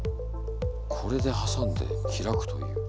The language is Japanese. これで挟んで開くという。